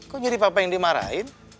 kok jadi papa yang dimarahin